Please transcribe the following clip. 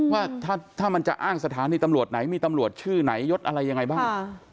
ว่าถ้ามันจะอ้างสถานีตำรวจไหนมีตำรวจชื่อไหนยดอะไรยังไงบ้าง